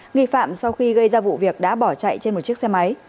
nghi phạm sau khi gây ra vụ việc đã bỏ chạy trên một chiếc xe máy